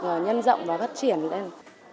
nhân rộng và phát triển